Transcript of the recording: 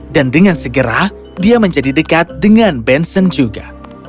dan dengan segera dia menjadi dekat dengan benson juga